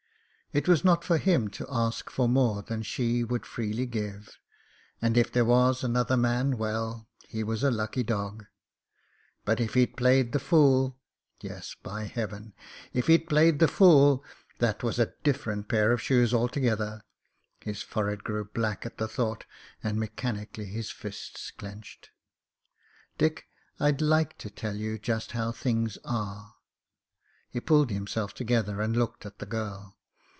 It was not for him to ask for more than she would freely give; and if there was another man — well, he was a lucky dog. But if he'd played the fool — ^yes, by Heaven! if he'd played the fool, that was a different pair of shoes alto gether. His forehead grew black at the thought, and mechanically his fists clenched. "Dick, I'd like to tell you just how things are." He pulled himself together and looked at the girl.